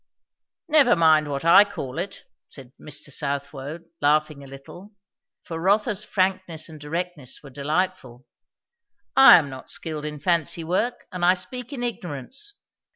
"Never mind what I call it," said Mr. Southwode, laughing a little; for Rotha's frankness and directness were delightful; "I am not skilled in fancy work, and I speak in ignorance.